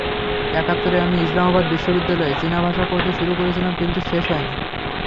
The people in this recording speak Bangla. একাত্তরে আমি ইসলামাবাদ বিশ্ববিদ্যালয়ে চীনা ভাষা পড়তে শুরু করেছিলাম, কিন্তু শেষ হয়নি।